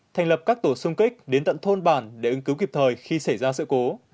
thành lập các tổ sung kích đến tận thôn bản để ứng cứu kịp thời khi xảy ra sự cố